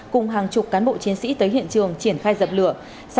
cùng hàng chục cán bộ chiến sĩ tới hiện trường triển khai dập lửa